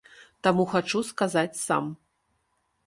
Таму хачу сказаць сам.